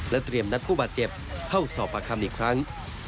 เตรียมนัดผู้บาดเจ็บเข้าสอบประคำอีกครั้ง